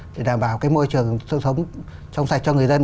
để đảm bảo môi trường sống sạch cho người dân